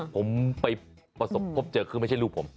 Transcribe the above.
ผมไปประสบพบเจอคือไม่ใช่ลูกผม